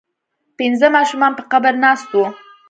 پنځه ماشومان په قبر ناست وو.